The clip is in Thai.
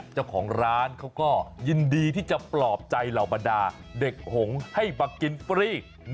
เจ้าของร้านเขาก็ยินดีที่จะปลอบใจเหล่าบรรดาเด็กหงให้มากินฟรี